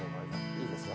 いいですよ。